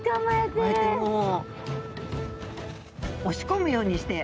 こうやってもう押し込むようにして。